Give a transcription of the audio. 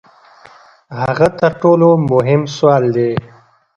هغه تر ټولو مهم سوال دی.